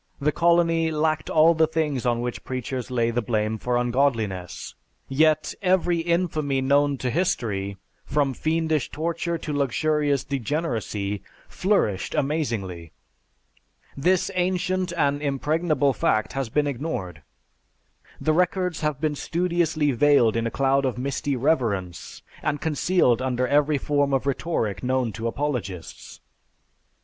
The Colony lacked all the things on which preachers lay the blame for ungodliness; yet, every infamy known to history, from fiendish torture to luxurious degeneracy flourished amazingly. This ancient and impregnable fact has been ignored. The records have been studiously veiled in a cloud of misty reverence, and concealed under every form of rhetoric known to apologists."